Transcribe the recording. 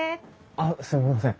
あっすみません。